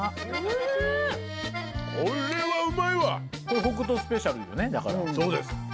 これ北斗スペシャルよね。